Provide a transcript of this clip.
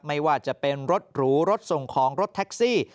ไม่ว่าจะเป็นรถหรูรถส่งของรถแท็กซี่